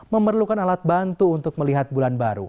memerlukan alat bantu untuk melihat bulan baru